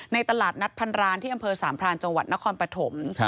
ตลาดนัดพันรานที่อำเภอสามพรานจังหวัดนครปฐม